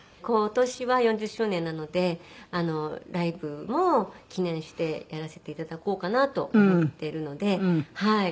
今年は４０周年なのでライブも記念してやらせて頂こうかなと思っているのではい。